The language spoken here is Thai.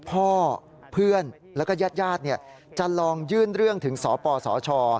เพื่อนแล้วก็ญาติจะลองยื่นเรื่องถึงสปสช